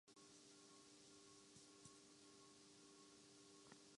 برطانیہ دو مرکزی اشاریہ ہُنڈی آلات رکھتا ہے